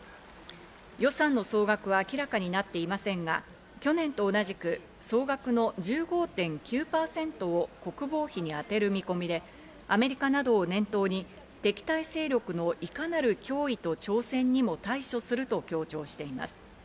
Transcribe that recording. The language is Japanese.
予算の総額は明らかになっていませんが、去年と同じく総額の１５．９％を国防費にあてる見込みで、アメリカなどを念頭に敵対勢力のいかなる脅威と挑戦にも対処すると強調しています。